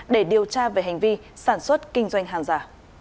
để điều tra về hành vi sản xuất kinh doanh hàng giả